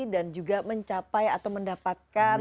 dan juga mencapai atau mendapatkan